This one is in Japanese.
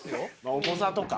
重さとか？